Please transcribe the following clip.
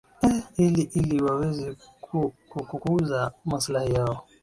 ee ili ili waweze ku kukuza maslahi yao